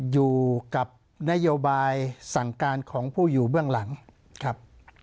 อยู่กับนโยบายสั่งการของผู้อยู่เบื้องหลังครับ